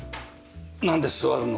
なんで座るの？